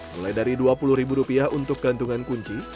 mulai dari dua puluh rupiah untuk gantungan kunci